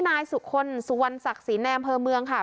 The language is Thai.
นายสุคลสุวรรณศักดิ์ศรีในอำเภอเมืองค่ะ